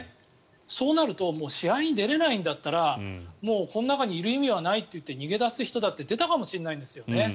そうなると試合に出られないんだったらもうこの中にいる意味はないってなって逃げ出す人だって出たかもしれないんですよね。